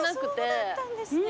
そうだったんですね。